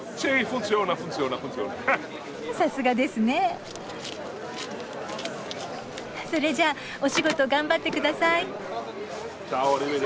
さすがですね。それじゃあお仕事頑張ってください。